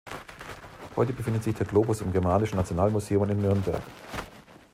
Heute befindet sich der Globus im Germanischen Nationalmuseum in Nürnberg.